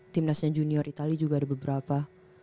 timnasnya junior itali juga ada beberapa